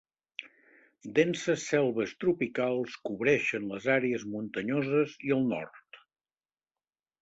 Denses selves tropicals cobreixen les àrees muntanyoses i el nord.